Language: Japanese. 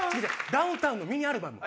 ダウンタウンのミニアルバム。